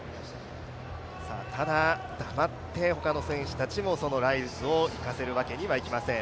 ただ黙って他の選手たちも、そのライルズを行かせるわけにはいきません。